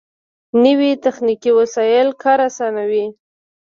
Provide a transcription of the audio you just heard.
نوې تخنیکي وسایل کار آسانوي